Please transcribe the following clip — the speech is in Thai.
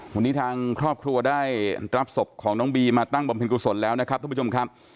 วันนี้ทางครอบครัวได้รับศพของน้องบีมาตั้งบำเพ็ญกุศลแล้วนะครับทุกผู้ชมครับ